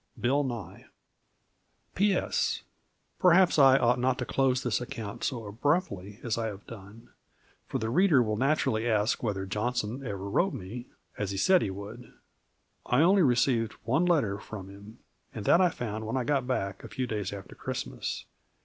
BILL NYE. P. S. Perhaps I ought not to close this account so abruptly as I have done, for the reader will naturally ask whether Johnson ever wrote me, as he said he would. I only received one letter from him, and that I found when I got back, a few days after Christmas.